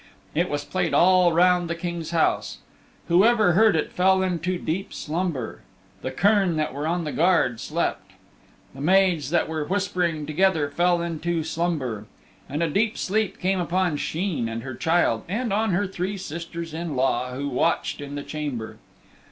It was played all round the King's house. Whoever heard it fell into deep slumber. The kern that were on guard slept. The maids that were whispering together fell into a slumber. And a deep sleep came upon Sheen and her child and on her three sisters in law who watched in the chamber.